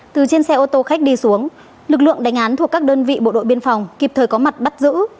từ trên xe ô tô khách đi xuống lực lượng đánh án thuộc các đơn vị bộ đội biên phòng kịp thời có mặt bắt giữ